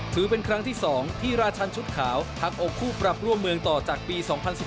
ถือเป็นครั้งที่๒ที่ราชันชุดขาวทักอกคู่ปรับร่วมเมืองต่อจากปี๒๐๑๘